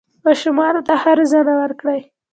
ماشومانو ته ښه روزنه ورکړئ